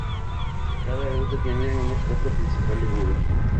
Cada gruta tiene una estatua principal de Buda.